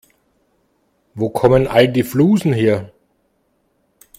Wo kommen all die Flusen her?